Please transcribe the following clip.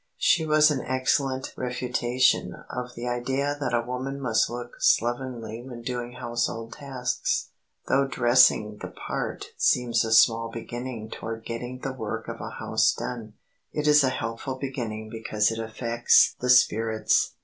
She was an excellent refutation of the idea that a woman must look slovenly when doing household tasks. Though "dressing the part" seems a small beginning toward getting the work of a house done, it is a helpful beginning because it affects the spirits.